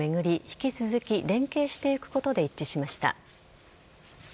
引き続き連携していくことで一致しました。